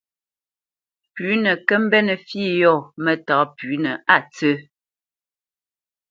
Pʉ̌nə kə́ mbénə̄ fǐ yɔ̂ mətá pʉ́nə a ntsə̂.